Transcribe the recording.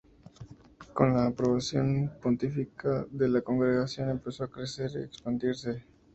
Con la aprobación pontificia de la congregación empezó a crecer y expandirse.